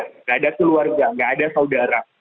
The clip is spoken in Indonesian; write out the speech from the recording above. tidak ada keluarga nggak ada saudara